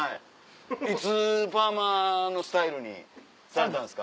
いつパーマのスタイルにされたんですか？